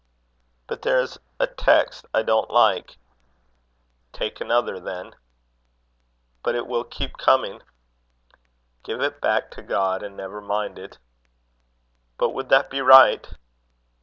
"But there is a text I don't like." "Take another, then." "But it will keep coming." "Give it back to God, and never mind it." "But would that be right?"